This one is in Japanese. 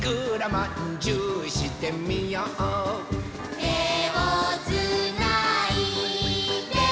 「てをつないで」